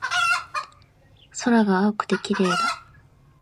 空が青くて綺麗だ